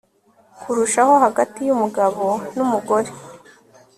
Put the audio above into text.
kurushaho hagati y'umugabo n'umugore